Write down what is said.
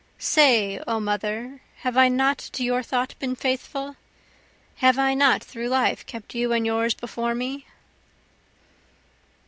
(Say O Mother, have I not to your thought been faithful? Have I not through life kept you and yours before me?)